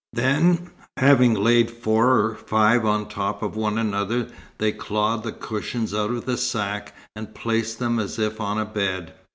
Then, having laid four or five on top of one another, they clawed the cushions out of the sack, and placed them as if on a bed.